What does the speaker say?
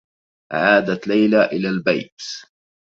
عادت ليلى إلى البيت.